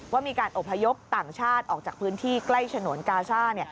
ว่ามีการอบพยพต่างชาติออกจากพื้นที่ใกล้ฉนวนกาซ่า